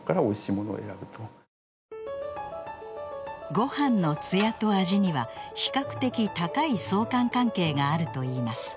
ごはんの艶と味には比較的高い相関関係があるといいます。